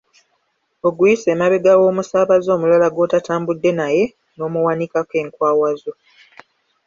Oguyisa emabega w’omusaabaze omulala gw’otatambudde naye n’omuwanikako enkwawa zo.